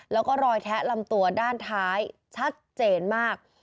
แล้วก็รอยแทะลำตัวด้านท้ายชัดเจนมาก